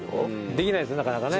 できないですなかなかね。